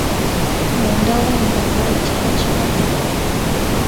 Munda w'engalo wayitibwa kibatu.